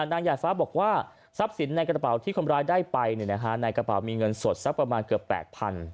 นายใหญ่ฟ้าบอกว่าทรัพย์สินในกระเป๋าที่คนร้ายได้ไปในกระเป๋ามีเงินสดสักประมาณเกือบ๘๐๐๐